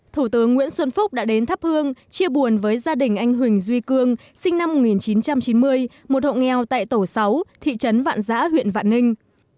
thủ tướng nguyễn xuân phúc đã đến thắp hương chia buồn với gia đình anh huỳnh duy cương sinh năm một nghìn chín trăm chín mươi một hộ nghèo tại tổ sáu thị trấn vạn giã huyện vạn ninh